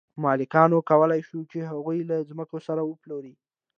مالکانو کولی شول چې هغوی له ځمکو سره وپلوري.